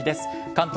関東